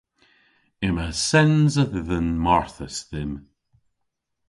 Yma sens a dhidhan marthys dhymm.